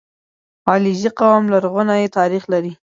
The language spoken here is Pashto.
• علیزي قوم لرغونی تاریخ لري.